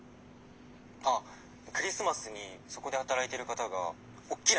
あっクリスマスにそこで働いてる方がおっきな